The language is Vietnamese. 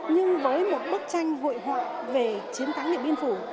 nhưng với một bức tranh hội họp về chiến thắng địa biên phủ